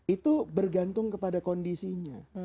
itu bergantung kepada kondisinya